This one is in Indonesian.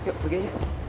yuk pergi aja